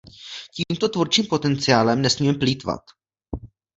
Tímto tvůrčím potenciálem nesmíme plýtvat.